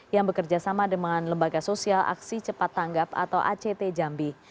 yang bekerja sama dengan lembaga sosial aksi cepat tanggap atau act jambi